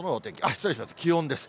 失礼しました、気温です。